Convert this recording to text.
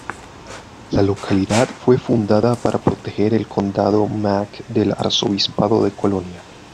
La localidad fue fundada para proteger el condado "Mark" del arzobispado de Colonia.